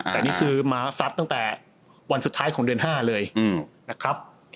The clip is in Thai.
แต่นี่คือมาซัดตั้งแต่วันสุดท้ายของเดือน๕เลยนะครับ